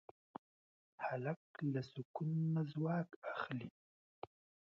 هلک له سکون نه ځواک اخلي.